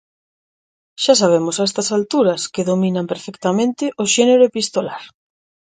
Xa sabemos a estas alturas que dominan perfectamente o xénero epistolar.